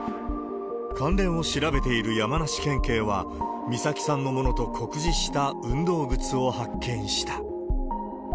関連を調べている山梨県警は、美咲さんのものと酷似した運動靴を発見した。